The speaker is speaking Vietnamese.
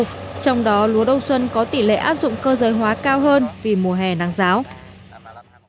trong đó lúa đông xuân có tỷ lệ áp dụng cơ giới hóa cao hơn vì mùa hè nắng giáo